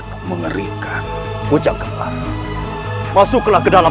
terima kasih atas dukungan anda